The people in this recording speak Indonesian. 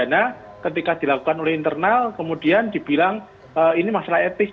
karena ketika dilakukan oleh internal kemudian dibilang ini masalah etik